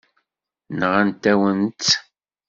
Nɣant-awen-tt.